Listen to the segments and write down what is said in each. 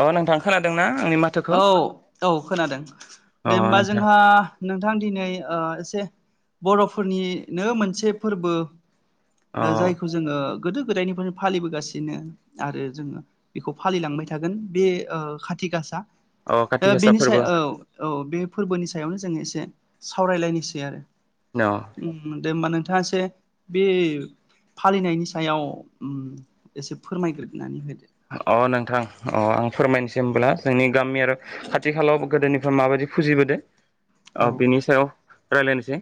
अ नोंथां खोनादों ना? औ औ खोनादों अ दे होमबा नोंथां जोंहा नोंथां दिनै ओ एसे बर'फोरनिनो मोनसे फोरबो अ जायखौ जोङो गोदो गोदायनिफ्रायनो फालिबोगासिनो आरो जोङो बेखौ फालिलांबाय थागोन ओ बे खाथि गासा। अ काति गासा बेनि फोरबो सायाव औ औ बे फोरबोनि सायावनो जों एसे सावरायलायनोसै आरो। अ उम दे माने नोंथाङा ससे बे फालिनायनि सायाव एसे फोरमायग्रोनानै होदो दे होमब्ला जोंनि गामि आरो आथिखालाव गोदोनिफ्राय मा बायदि फुजिबोदों औ बिनि सायाव रायलायनोसै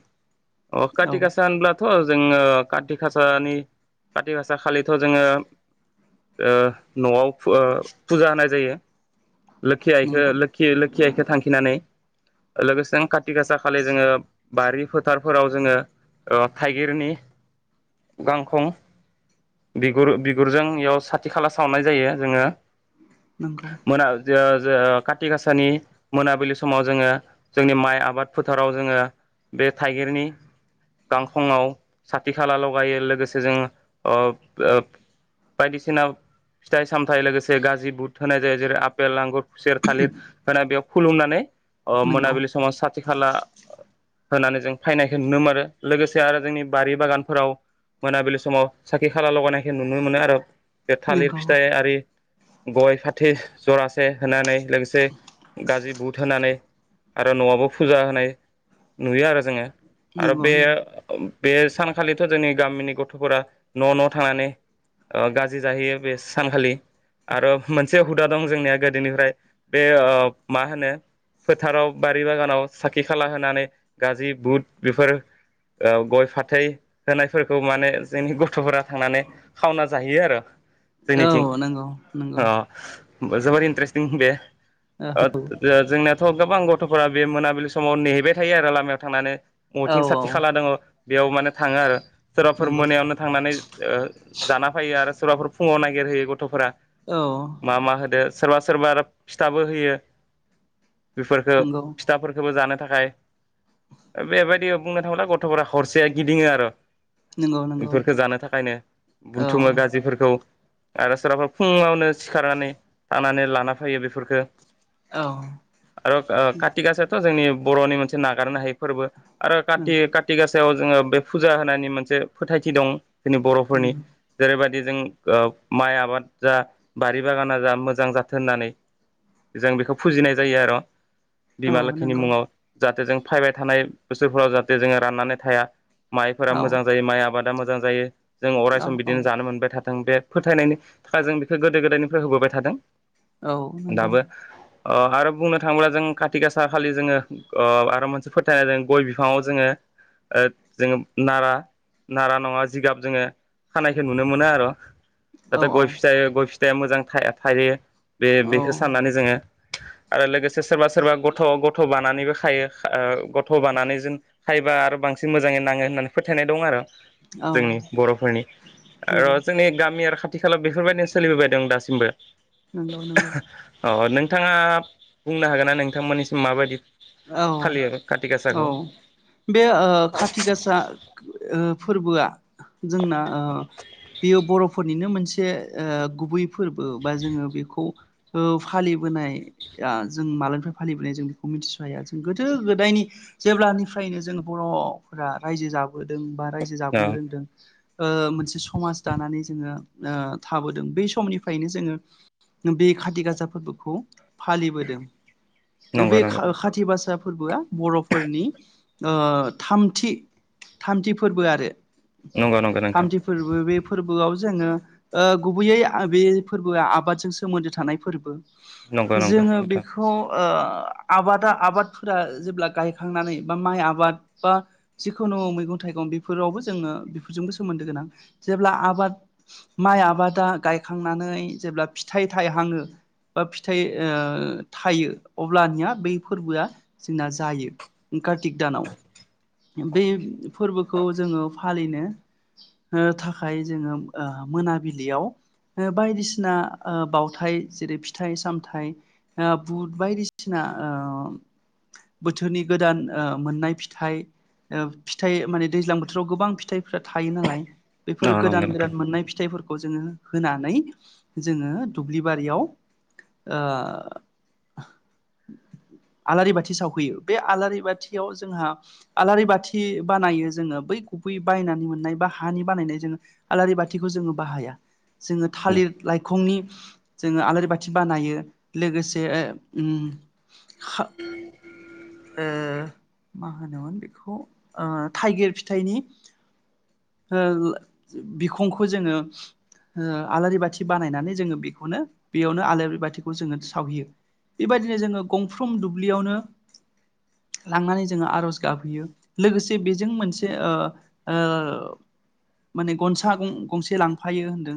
अ' औ खाथि गासा होनब्ला थ' जोङो खाति गासानि खाति गासा खालिथ' जोङो ओ न'आव ओ फुजा होनाय जायो। लोखि आइखौ नंगौ लोखि खिखौ थांखिनानै लोगोसे खाथि गासा खालि जोङो बारि फोथारफोराव जोङो ओ थाइगिरनि गांखं बिुर बिगुरजों इयाव साथि खाला सावनाय जायो जोङो। नंगौ मोना जो ओ खाथि गाासानि मोनाबिलि समाव जोङो जोंनि माइ आबाद फोथाराव जोङो बे थाइगिरनि गांखंआव साथि खाला लगायो लोगोसे जों अ' ओ बायदिसिना फिथाइ सामथाइ लोगोसे गाज्रि बुट होनाय जायो जेरै आपेल आंगुर खुसेर थालिर होना बेयाव खुलुमनानै अ नंगौ मोनाबिलि समाव साथि खाला होनानै जों फायनायखौ नुनो मोनो लोगोसे आरो जोंनि बारि बागानफोराव मोनाबिलि समाव साखि खाला लगायनायखौ नुनो मोनो आरो बे थालिर नंगौ फिथाइ आरि गय फाथै जरास से होनानै लोगोसे गाज्रि बुट होनानै आरो न'आवबो फुजा होनाय नुयो आरो जोङो आरो नंगौ बे बे सानखालिथ' जोंनि गामिनि गथ'फोरा न' न' थानानै गाज्रि जाहैयो बे सानखालि आरो मोनसे हुदा दं जोंनिया गोदोनिफ्राय बे ओ मा होनो फोथाराव बारि बागानाव साखि खाला होनानै गाज्रि बुट बेफोर ओ गय फाथै होनायफोरखौ माने जोंनि गथ'फोरा थांनानै खावना जाहैयो आरो जोंनिथिं औ नंगौ नंगौ औ जोबोर इन्ट्रेस्टिं बे औ जोंना थ गोबां गथ'फोरा बे मोनाबिलि समाव नेहैबाय थायो आरो लामायाव थांनानै अथिं सारथि औ खाला दङ बेयाव माने थाङो आरो सोरबाफोर नंगौ मोनायावनो थांनानै ओ जाना फैयो आरो सोरबाफोर फुङाव नागिरहोयो गथ'फोरा। औ मा मा होदो। सोरबा सोरबा आरो फिथाबो होयो। बेफोरखौ नंगौ फिथाफोरखौबो जानो था थाय बेबायदि बुंनो थांङोब्ला गथ'फोरा हरसे गिदिङो आर'। नंगौ नंगौ बेफोरखौ जानो थाखायनो औ बुथुमो गाज्रिफोरखौ। आरो सोरबाफोरा फुङावनो सिखारनानै थानानै लान लाना फैयो बेफोरखो। औ आरो ओ काति गासायाथ' जोंनि बर'नि मोनसे नागारनो हायै फोरबो। आरो काति नंगौ काति गाासायाव। जोङो बे फुजा होनायनि मोनसे फोथायथि दं। जोंनि बर'फोरनि नंगौ जेरैबाय बेजों ओब माइ आबाद जा बारि बागाना जा मोजां जाथों होननानै जों बेखौ फुजिनाय जायो आर'। बिमा औ लोखिनि नंगौ मुङाव जाहाथे जों फायबाय थानाय बोसोरफोराव जाहाथे जोङो राननानै थाया। माइफोरा औ मोजां जायो माइ आबाद। दा मोजां जायो। जों अराय सम औ बिदिनो औ जानो मोनबाय था दों बे फोथायनायनि थाखाय जों बेखौ गोदो गोदायनिफ्राय होबोबाय थादों। औ नंगौ। दाबो ओ आरो बुंनो थाङोब्ला जों काति गासा खालि जोङो ओ आरो मोनसे फोथायनाय जों गय बिफाङाव जोङो ओ जोङो नारा नारा नङा जिगाब जोङो खानायखौ नुनो मोनो आर'। औ नाथाय गय फिथाय गय फि थाया मोजां था-थायो। बे औ बेखौ साननानै जोङो। आरो लोगोसे सोरबा सोरबा गथ' गथ' बानानैबो खायो ओ गथ' बानानै जों खायोबा आरो बांसिन मोजाङै नाङो होननानै फोथायनाय दं आर'। जोंनि बर'फोरनि आर नंगौ गामि आरो खाथि खालाब बेफोरबायदिनो सोलिबोबाय दं दासिमबो नंगौ नंगौ औ नोंथाङा बुंनो हागोन ना नोंथां मोननिसिम माबादि? औ औ बे ओ काथि गासा ओ फोरबोआ जोंना ओ बेयो बर'फोरनिनो मोनसे ओ गुबै फोरबो बा जोङो बेखौ ओ फालिबोनायआ जों मालानिफ्राय फालिबोनाय जों बेखौ मिथिस हाया जों गोदो गोदायनि जेब्लानिफ्रायनो जों बर'फोरा रायजो जाबोदों बा रायजो औ जाबोनो रोंदों ओ मोनसे समाज दानानै जोङो ओ थाबोदों बै समनिफ्रायनो जोङो बे खाथि गासा फोरबोखौ फालिबोदों। नंगौ बे नंगौ खा ओ खात गासा फोरबोआ बर'फोरनि ओ थामथि थामथि फोरबो आरो नंगौ नंगौ नोंथां थामथि फोरबो बे फोरबोआव जोङो ओ गुबैयै आ बे फोरबोआ आबादजों सोमोन्दो थानाय फोरबो नंगौ नंगौ जोङो नोंथां बेखौ ओ आबादा आबादफोरा जेब्ला गायखांनानै बा माइ आबाद बा जिखुनु मैगं थाइगं बेफोरावबो जोङो बेफोरजोंबो सोमोन्दो गोनां जेब्ला आबाद माइ आबादा गायखांनानै जेब्ला फिथाइ थायहाङो बा फिथाइओ थायो अब्लानिया बै फोरबोआ जोंना जायो कार्तिक दानाव बे फोरबो खौ जोङो फालिनो हो थाखाय जोङो ओ मोनाबिलियाव हो बायदिसिना ओ बाउथाइ जेरै फिथाइ-सामथाइ हा बुट बायदिसिना ओ बोथोरनि गोदान ओ मोननाय फिथाइ ओ फिथाइ माने दैज्लां बोथोराव गोबां फिथाइफ्रा थायो नालाय बेफोर औ गोदान नंगौ नोंथां गोदान मोननाय फिथाइफोरख खौ जोङो होनानै जोङो दुब्लि बारियाव ओ आलारि बाथि सावहैयो बे आलारि बाथियाव जोंहा आलारि बाथि बानायो जोङो बै गुबै बायनानै मोननाय बा हानि बानायनाय जोङो आलारि बाथिखौ जोङो बाहाया जोङो थालिर लाइखंनि जोङो आलारि बाथि बानायो लोगोसे ओम हा ओ मा होनोमोन बेखौ ओ थाइगिर फिथाइनि हो ओ बिखंखौ जोङो ओ आलारि बाथि बानायनानै जोङो बेखौनो बेयावनो आलारि बाथिखौ जोङो सावहैयो बेबायदिनो जोङो गंफ्रोम दुब्लियावनो लांनानै जोङो आर'ज गाबहैयो लोगोसे बेजों मोनसे ओ-ओ माने गनसा गं गंसे लांफायो होनदों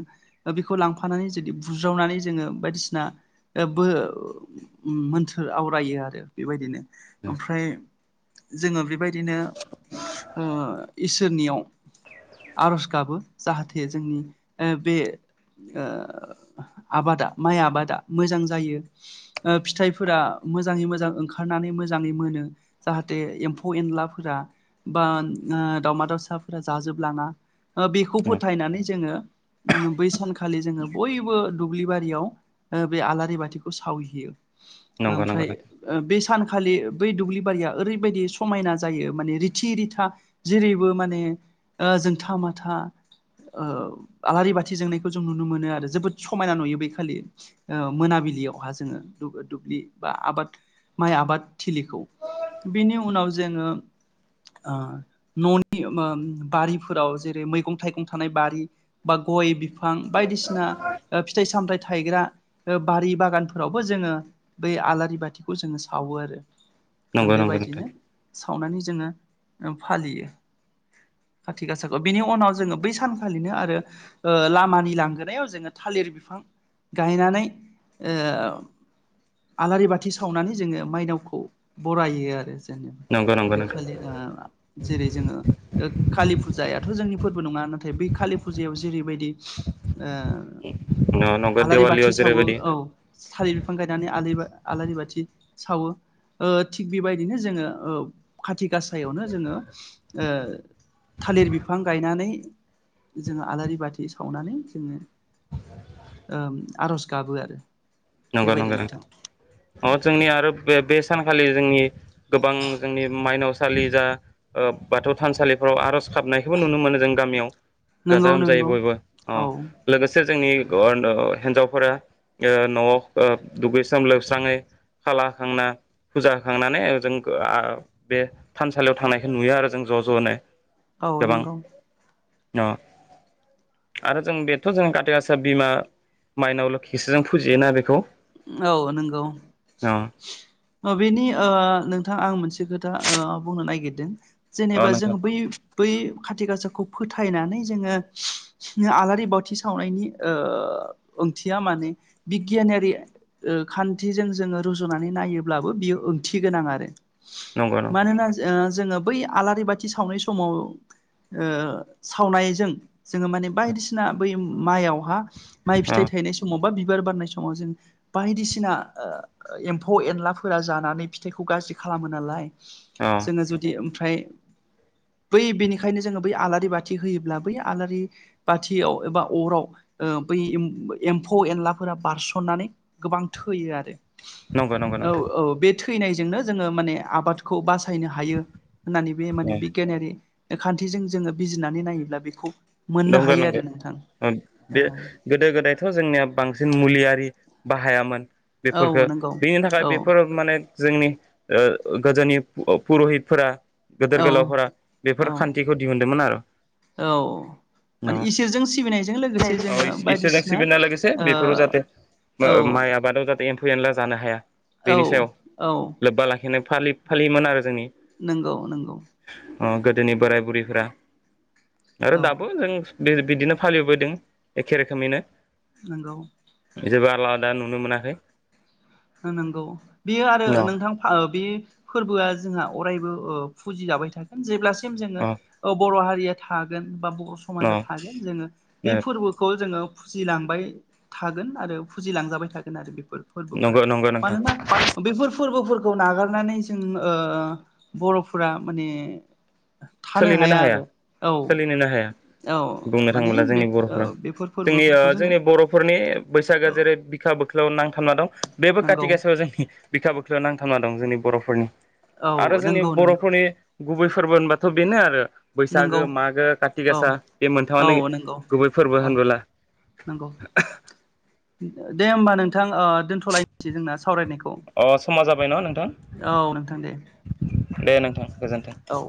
बेखौ लांफानानै जुदि बुज्रावनानै जोङो बायदिसिना ओ बो मोन्थोर आवरायो आरो बेबायदिनो ओमफ्राय जोङो बेबायदिनो ओ इसोरनियाव आर'ज गाबो जाहाथे जोंनि ओ बे ओ आबादा माइ आबादा मोजां जायो ओ फिथाइफोरा मोजाङै मोजां ओंखारनानै मो जाङै मोनो जाहाथे एम्फौ-एनलाफोरा बा ओ दावमा दाउसाफोरा जाजोबलाङा ओ बेखौ फोथायनानै जोङो ओम बै सानखालि जोङो बयबो दुब्लि बारियाव ओ बे आलारि बाथिखौ सावहैयो नंगौ नंगौ ओमफ्राय नोंथां ओ बे सान खालि बै दुब्लि बारिया ओरैबायदि समायना जायो माने रिथि रिथा जेरैबो माने ओ जोंथा माथा ओ आलारि बाथि जोंनायखौ जों नुनो मोनो आरो जोबोद समायना नुयो बै खालि ओ मोनाबिलियावहा जोङो दुब दुब्लि बा आबाद माइ आबाद थिलिखौ बेनि उनाव जोङो ओ न'नि ओम बारिफोराव जेरै मैगं थाइगं-थानाय बारि बा गय बिफ फां बायदिसिना ओ फिथाइ-सामथाय थायग्रा ओ बारि बागानफोरावबो जोङो बै आलारि बाथिखौ जोङो सावो ओ नंगौ नंगौ बेबायदिनो नोंथां सावनानै जोङो ओ फालियो खाथि गासाखौ बिनि उनाव जोङो बै सानखालिनो आरो ओ लामानि लांगोनायाव जोङो थालिर बिफां गायनानै ओ आलारि बाथि सावनानै जोङो माइनाव खौ बरायो आरो नंगौ नंगौ बे खालि ओ जेरै जोङो ओ कालि फुजायाथ' जोंनि फोरबो नङा नाथाय बै कालि फुजायाव जेरैबायदि ओ नोंथां नंगौ आलारि बाथि दिवालियाव सावो जेरैबायदि औ थालिर बिफां गायनानै आलि बा आलारि बाथि सावो थिग बेबायदिनो जोङो ओ खाथि गासायावनो जोङो ओ थालिर बिफां गायनानै जोङो आलारि बाथि सावनानै जोङो ओ आर'ज गाबो आरो नंगौ बेबायदि नंगौ नंग नोंथां अ औ जोंनि आरो बे सानखालि जोंनि गोबां जोंनि माइनावसालि जा ओ बाथौ थानसालिफ्राव आर'ज गाबनायखौबो नुनो मोनो जों गामियाव नंगौ गाजा गोमजायै नंगौ बयबो अ औ लोगोसे जोंनि [unintelligible] हिनजावफोरा ओ न'आव ओ दुगैसोम लोबस्राङै खाला होखांना फुजा होखांनानै जों बे थानसालियाव थांनायखौ नुयो आरो जों ज' ज'नो औ गोबां नोंगौ अ आरो जों बेथ' जों खााथै गासा बिमा माइनाव लोखिखौसो जों फुजियोना बेखौ खौ औ नंगौ बेनि ओ नोंथां आं मोनसे से खोथा ओ बुंनो नागिरदों अ जेनेबा जों नोंथां बै बै खाथि गासाखौ फोथायनानै जोङो आलारि बाथि सावनायनि ओ ओंथिया माने बिगियानारि ओ खान्थिजों जोङो रुजुनानै नायोब्लाबो बियो ओंथि गोनां आरो नंगौ नंगौ मानोना ओ जोङो बै आलारि बाथि सावनाय समाव ओ सावनायजों जोङो माने बायदिसिना बै माइयावहा माइ अ फिथाइ थायनाय समावबा बार बारनाय समाव जों बायदिसिना ओ एम्फौ एनलाफोरा जानानै फिथाइखौ गाज्रि खालामो नालाय अ जोङो जुदि ओमफ्राय बै बेनिखायनो जोङो बै आलारि बाथि होयोब्ला बै आलारि बाथियाव एबा अराव ओ बै एम्फौ एनलाफोरा बारसननानै गोबां थोयो आरो नंगौ नंगौ औ नोंथां औ बे थो थैनायजोंनो जोङो माने आबादखौ बा सायनो हायो होननानै बे माने औ बिगियानारि खान्थिजों जोङो बिजिरनानै नायोब्ला बेखौ मोननो नंगौ हायो नंगौ आरो नोंथां बे औ गोदो गोदायथ' जोंनिया बांसिन मुलियारि बाहायामोन औ बेफोरखौ नंगौ बिनि थाखाय औ बेफोर माने जोंनि ओ गोदोनि पुर'हितफोरा औ गोदोर गोलावफोरा औ बेफोर खान्थिखौ दिहुनदोंमोन आरो औ औ माने इसोरजों सिबिनायजों लोगोसे जोङो इसोरजों बायदिसिना सिबिनाय लोगोसे ओ बेफोराव औ जाहाथे माइ आबादाव जाहाथे एम्फौ एनला जानो हाया बेनि औ सायाव औ लोब्बा लाखिना फालि फालियोमोन आरो जोंनि नंगौ नंगौ ओ गोदोनि बोराय बुरैफोरा आरो औ। दाबो जों बिदिनो फालिबोबायदों एखे रोखोमैनो। नोंगौ। जेबो आलादा नुनो मोनाखै। नंगौ बेयो आरो न नोंथां फा बे फोरबोआ जोंहा अरायबो ओ फुजिजाबाय थागोन जेब्ला सिम जोङो अ औ बर' हा रिया थागोन। बा बर' न समाजा थागोन जोङो बे फोरबोखौ जोङो फुजिलांबाय थागोन आरो फुजिलांजाबाय थागोन आरो बे फोर फोरबोफोरा। नंगौ नंगौ नोंथां मानोना बेफोर फोरबोफोर खौ नागारनानै जों ओ बर'फोरा माने थानो सोलिनोनो हाया आरो औ सोलिनोनो हाया। औ बुंनो माने थाङोब्ला बे जोंनि बर'फोरा। बेफोर जोंनि ओ फोरबोफोरखौ जोङो जोंनि बर'फोरनि बैसागोआ औ जेरै बिखा बिख्लोआव नांथाबना दं। बेबो खाथि नंगौ गासायाव जोंनि बिखा बिख्लोआव नांथाब ना दं जोंनि बर'फोरनि। आरो औ जोंनि नंगौ नंगौ बर'फोरनि गुबै फोरबो होनबा थ' बेनो आरो बैसागो नंगौ मागो काति गासा औ बे मोनथामानो औ नंगौ गुबै फोरबो औ होनबोला नंगौ दे होमबा नों थां ओ दोनथ'लायनोसै जोंना सावरायनायखौ अ समा जाबाय न नोंथां औ नोंथां दे दे नोंथां गोजोन्थों औ।